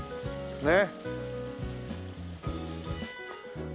ねえ。